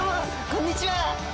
こんにちは。